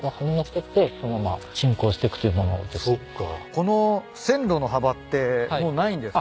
この線路の幅ってもうないんですか？